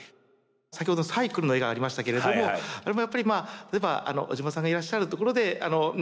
先ほどサイクルの絵がありましたけれどもあれもやっぱり例えば小島さんがいらっしゃるところで地域にいないとですね